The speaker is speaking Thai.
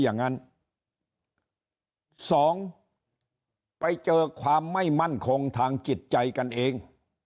อย่างนั้นสองไปเจอความไม่มั่นคงทางจิตใจกันเอง